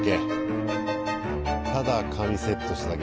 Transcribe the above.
ただ髪セットしただけ。